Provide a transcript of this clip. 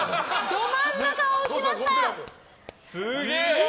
ど真ん中を打ちました。